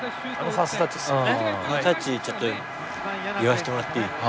タッチちょっと言わしてもらっていい？